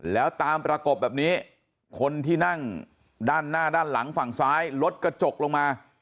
แล้วตามประกบแบบนี้คนที่นั่งด้านหน้าด้านหลังฝั่งซ้ายรถกระจกลงมา